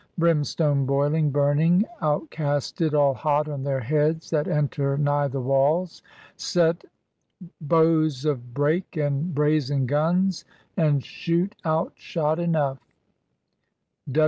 ... Brimstone boiling, burning, out cast it All hot on their heads that enter nigh the walls. Set bows of brake and brazen guns And shoot out shot enough.